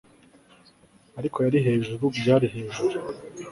Ariko yari Hejuru Byari hejuru